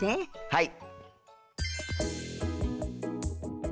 はい。